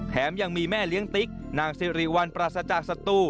แถมยังมีแม่เลี้ยงติ๊กนางสิริวัลปราศจากสตู